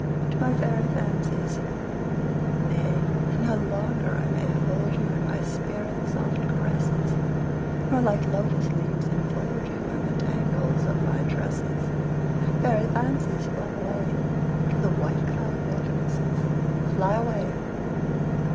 TO MY FAIRY FANCIES Nay, no longer I may hold you, In my spirit's soft caresses, Nor like lotus leaves enfold you In the tangles of my tresses. Fairy fancies, fly away To the white cloud wildernesses, Fly away!